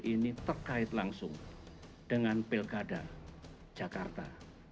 ini terkait langsung dengan pilkada jakarta